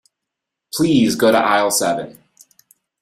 Please go to aisle seven.